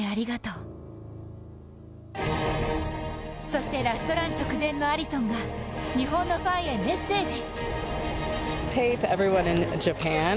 そして、ラストラン直前のアリソンが日本のファンへメッセージ。